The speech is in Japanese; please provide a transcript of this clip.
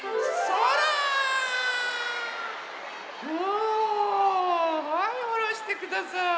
おはいおろしてください。